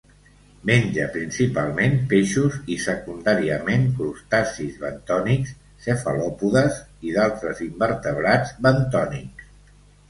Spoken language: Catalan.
Menja principalment peixos i, secundàriament, crustacis bentònics, cefalòpodes i d'altres invertebrats bentònics.